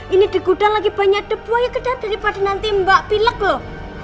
ini di gudang lagi banyak debu aja daripada nanti mbak pilek loh